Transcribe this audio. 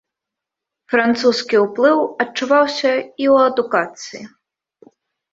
Французскі ўплыў адчуваўся і ў адукацыі.